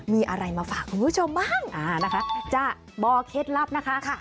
มีอะไรมาฝากคุณผู้ชมบ้างนะคะจะบอกเคล็ดลับนะคะ